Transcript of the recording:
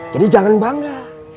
jadi jangan bangga